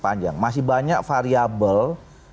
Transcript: panjang masih banyak variable